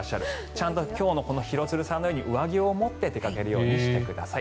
ちゃんと今日の廣津留さんのように上着を持って出かけるようにしてください。